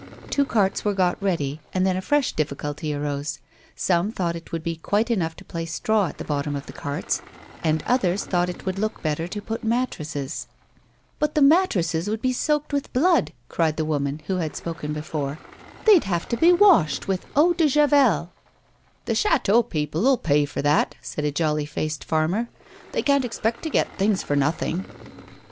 Two carts were got ready, and tlien a fresh difficulty arose ; some thought it would be quite enough to place straw at the bottom of the carts, others thought it would look better to put mattresses. " But the mattresses would be soaked with blood," cried A WOMAN'S LIFE. 187 the woman who had spoken before. " They'd have to be washed with eau de javelle." " The chateau people'll pay for that," said a jolly faced farmer. " They can't expect to get things for nothing."